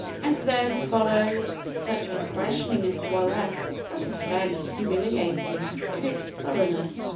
And then followed such a freshening of toilette as was fairly humiliating in its thoroughness.